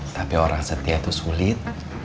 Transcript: tapi orang setia itu sulit